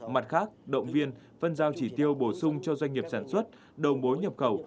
mặt khác động viên phân giao chỉ tiêu bổ sung cho doanh nghiệp sản xuất đầu mối nhập khẩu